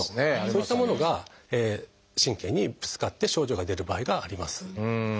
そういったものが神経にぶつかって症状が出る場合があります。